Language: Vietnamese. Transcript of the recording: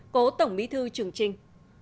cố tổng bí thư trường trinh